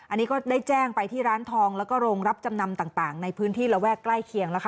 อันนี้ก็ได้แจ้งไปที่ร้านทองแล้วก็โรงรับจำนำต่างในพื้นที่ระแวกใกล้เคียงแล้วค่ะ